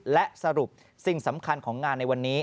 และสรุปสิ่งสำคัญของงานในวันนี้